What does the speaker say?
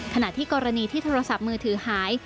ขณะที่กรณีที่โทรศัพท์มือถือหาย